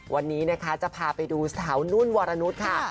วันนี้นะคะจะพาไปดูสาวนุ่นวรนุษย์ค่ะ